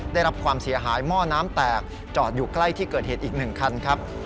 ได้รับความเสียหายหม้อน้ำแตกจอดอยู่ใกล้ที่เกิดเหตุอีก๑คันครับ